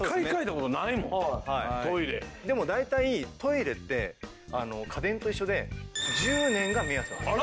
でも大体トイレって家電と一緒で１０年が目安なんです。